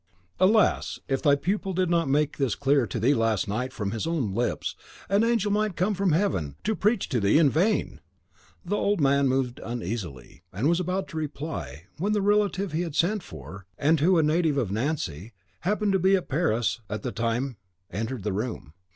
"Alas! if thy pupil did not make this clear to thee last night from his own lips, an angel might come from heaven to preach to thee in vain." The old man moved uneasily, and was about to reply, when the relative he had sent for and who, a native of Nancy, happened to be at Paris at the time entered the room.